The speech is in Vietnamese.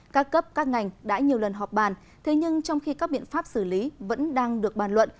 các cấp các ngành đã nhiều lần họp bàn thế nhưng trong khi các biện pháp xử lý vẫn đang được bàn luận